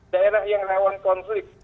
daerah yang rawan konflik